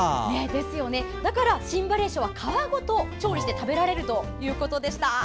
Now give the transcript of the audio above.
だから、新ばれいしょは皮ごと調理して食べられるということでした。